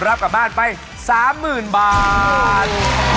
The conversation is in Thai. รับกลับบ้านไป๓๐๐๐บาท